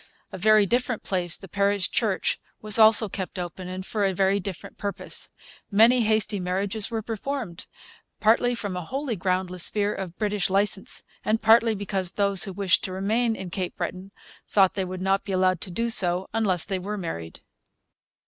A very different place, the parish church, was also kept open, and for a very different purpose. Many hasty marriages were performed, partly from a wholly groundless fear of British licence, and partly because those who wished to remain in Cape Breton thought they would not be allowed to do so unless they were married.